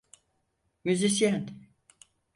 Müzisyen.